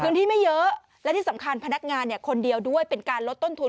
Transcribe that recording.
ไม่เยอะและที่สำคัญพนักงานเนี่ยคนเดียวด้วยเป็นการลดต้นทุน